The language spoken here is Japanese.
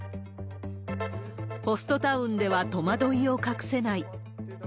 ホストタウンでは戸惑いを隠せない。